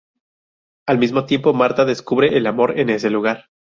Al mismo tiempo, Marta descubre el amor en ese lugar.